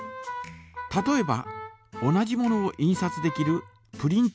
例えば同じものを印刷できるプリンター。